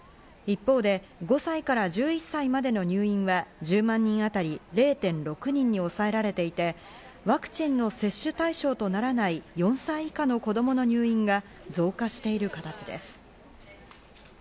一方で５歳から１１歳までの入院は１０万人当たり０．６人に抑えられていて、ワクチンの接種対象とならない４歳以下の子供の入院が増加している形です。